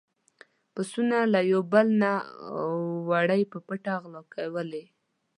پسونو له يو بل نه وړۍ په پټه غلا کولې.